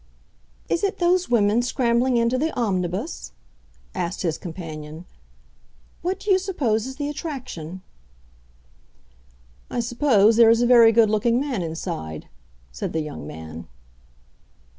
"Is it those women scrambling into the omnibus?" asked his companion. "What do you suppose is the attraction?" "I suppose there is a very good looking man inside," said the young man.